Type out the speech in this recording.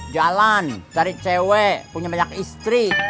jalan cari cewek punya banyak istri